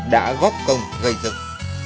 đã góp công gây dựng